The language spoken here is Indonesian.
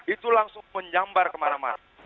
itu langsung menjambar kemana mana